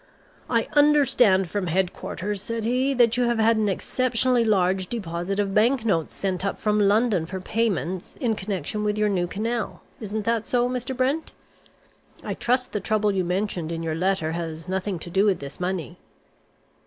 "I understand from headquarters," said he, "that you have had an exceptionally large deposit of banknotes sent up from London for payments in connection with your new canal. Isn't that so, Mr. Brent? I trust the trouble you mentioned in your letter has nothing to do with this money."